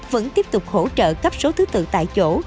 vẫn tiếp tục hỗ trợ cấp số thứ tự tại chỗ